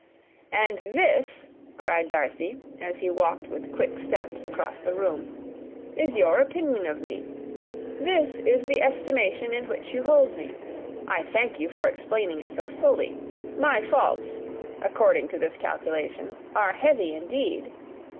"And this," cried Darcy, as he walked with quick steps across the room, "is your opinion of me! This is the estimation in which you hold me! I thank you for explaining it so fully. My faults, according to this calculation, are heavy indeed!